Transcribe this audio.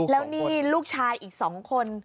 แล้วนี่ลูกชายอีก๒คน